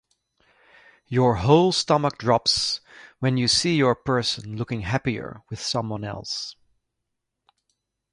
Your whole stomach drops when you see your person looking happier with someone else.